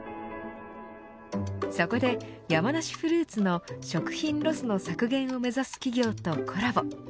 そこで、山梨フルーツの食品ロスの削減を目指す企業とコラボ。